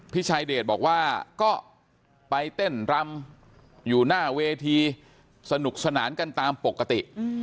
พี่ชายเดชบอกว่าก็ไปเต้นรำอยู่หน้าเวทีสนุกสนานกันตามปกติ